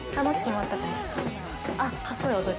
あっ、かっこいい踊り。